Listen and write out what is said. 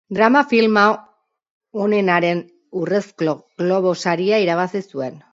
Drama filma onenaren Urrezko Globo Saria irabazi zuen.